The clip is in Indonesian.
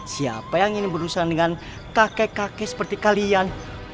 siapa yang ingin berurusan dengan kakek kakek seperti kalian